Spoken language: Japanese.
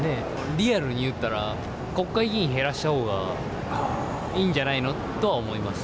リアルに言ったら、国会議員減らしたほうがいいんじゃないのとは思います。